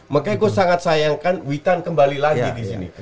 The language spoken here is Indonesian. makanya gue sangat sayangkan witan kembali lagi di sini